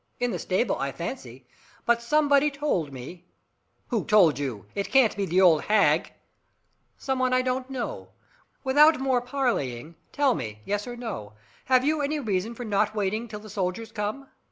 In the stable, I fancy. But somebody told me " "Who told you? It can't be the old hag " "Some one I don't know. Without more parleying, tell me, yes or no, have you any reason for not waiting till the soldiers come?